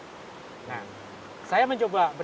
saya mencoba saya mencoba saya mencoba